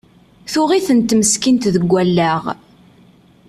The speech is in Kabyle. Tuɣ-itent meskint deg allaɣ!